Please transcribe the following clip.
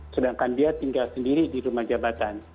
sedangkan dia tinggal sendiri di rumah jabatan